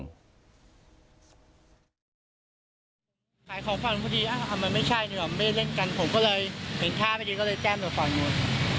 ขายของฟันพอดีอ้าวมันไม่ใช่ไม่เล่นกันผมก็เลยเห็นท่าไม่ดีก็เลยแจ้งตัวฟัน